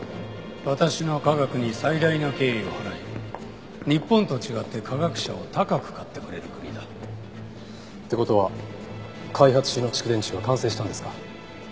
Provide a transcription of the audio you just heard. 私の科学に最大の敬意を払い日本と違って科学者を高く買ってくれる国だ。って事は開発中の蓄電池は完成したんですか？